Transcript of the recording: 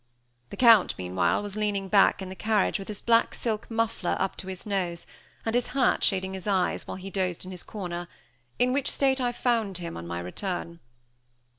The Count, meanwhile, was leaning back in the carriage, with his black silk muffler up to his nose, and his hat shading his eyes, while he dozed in his corner; in which state I found him on my return.